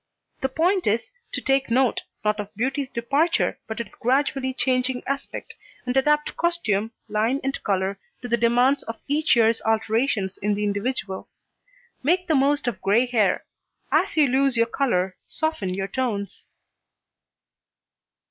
The point is, to take note, not of beauty's departure, but its gradually changing aspect, and adapt costume, line and colour, to the demands of each year's alterations in the individual. Make the most of grey hair; as you lose your colour, soften your tones.